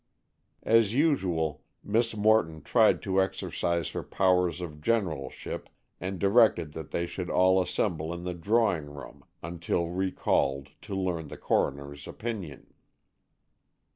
As usual, Miss Morton tried to exercise her powers of generalship, and directed that they should all assemble in the drawing room until recalled to learn the coroner's opinion.